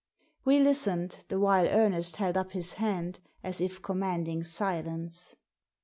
We listened the while Ernest held up his hand, as if commanding silence.